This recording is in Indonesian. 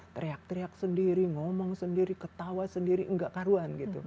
teriak teriak sendiri ngomong sendiri ketawa sendiri tidak karuan